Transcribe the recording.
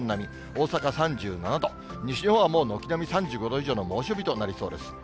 大阪３７度、西日本はもう軒並み３５度以上の猛暑日となりそうです。